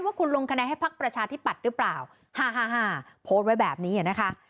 ว่าคุณลงคะแนนให้พักประชาธิปัดหรือเปล่าพโพสไว้แบบนี้นะคะ